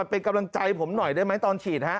เป็นกำลังใจผมหน่อยได้ไหมตอนฉีดฮะ